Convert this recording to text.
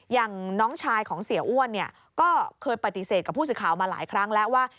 อย่างน้องชายของเสียอ้วนเนี่ยก็เคยปฏิเสธกับผู้สื่อข่าวมาหลายครั้งแล้วว่า